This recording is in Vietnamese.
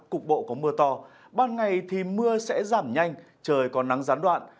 cục bộ có mưa to ban ngày thì mưa sẽ giảm nhanh trời còn nắng gián đoạn